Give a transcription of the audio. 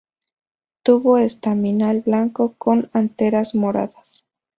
Tubo estaminal blanco con anteras moradas.